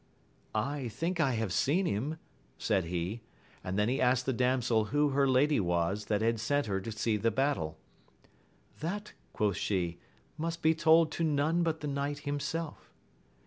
I think I Jiave seen him, said he ; and then he asked the damsel who her lady was that had sent her to see the battle. That, quoth she, must be told to none but the knight himself.